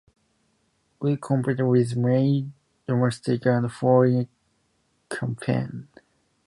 We compete with many domestic and foreign companies.